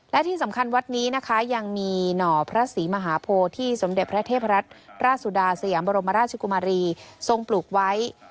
และที่สำคัญวัดนี้นะคะยังมีหน่อพระศรีมหาโพที่สมเด็จพระเทพรัฐราชสุดาสยามบรมราชกุมารีทรงปลูกไว้